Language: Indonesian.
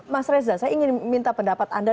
mas reza saya ingin minta pendapat anda